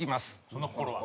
その心は？